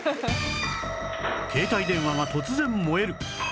携帯電話が突然燃える